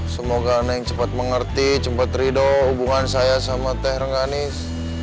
semoga neng cepat mengerti cepat ridoh hubungan saya sama teh rengganis